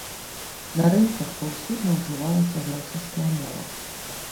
На рынках паўсюдна ўжывалася грэчаская мова.